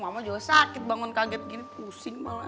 mama juga sakit bangun kaget gini pusing malah